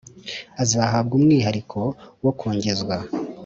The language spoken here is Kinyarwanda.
azahabwa umwihariko wo kongezwa,